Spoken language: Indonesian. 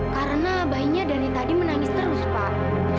karena bayinya dari tadi menangis terus pak